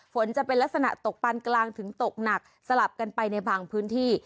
ฝนจะเป็นลักษณะตกปานกลางถึงตกหนักสลับกันไปในบางพื้นที่